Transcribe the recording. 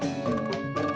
selamat siang pak